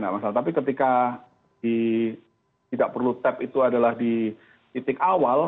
nah masalah tapi ketika tidak perlu tap itu adalah di titik awal